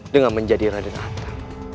dengan menjadi raden atta